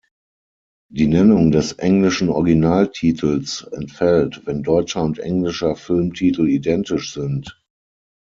Die Nennung des englischen Originaltitels entfällt, wenn deutscher und englischer Filmtitel identisch sind.